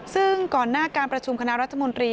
ซึ่งก่อนหน้าการประชุมคณะรัฐมนตรี